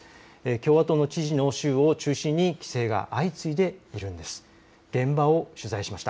共和党の知事の州を中心に規制が相次いでいます。